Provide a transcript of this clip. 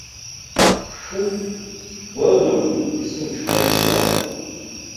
Хшуп, гәаӷым исыцәхыҵуа.